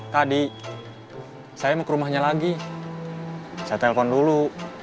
tadi saya mau ke rumahnya lagi saya telpon dulu